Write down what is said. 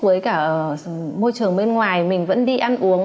với cả môi trường bên ngoài mình vẫn đi ăn uống